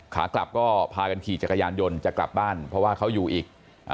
ขากลับก็พากันขี่จักรยานยนต์จะกลับบ้านเพราะว่าเขาอยู่อีก